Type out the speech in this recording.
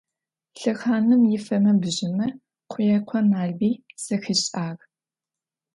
Лъэхъаным ифэмэ-бжьымэ Къуекъо Налбый зэхишӏагъ.